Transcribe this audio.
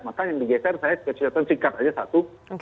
maka yang digeser saya kesulitan singkat aja satu